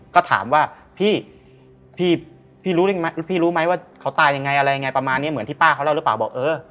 ก็ถามว่าพี่รู้ไหมว่าเขาตายยังไงประมาณนี้เหมือนที่ป้าเขาเล่าหรือเปล่า